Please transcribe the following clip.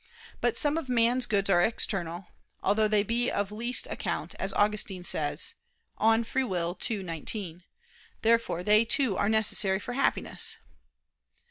But some of man's goods are external, although they be of least account, as Augustine says (De Lib. Arb. ii, 19). Therefore they too are necessary for Happiness.